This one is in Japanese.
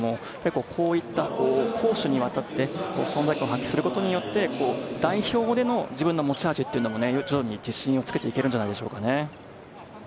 こういった攻守にわたって、存在感を発揮することによって、代表での自分の持ち味というのも徐々に自信をつけていけるんじゃないでしょうかね。